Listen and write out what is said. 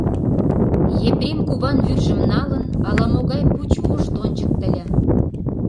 Епрем куван вӱржым налын, ала-могай пуч вошт ончыктыльо.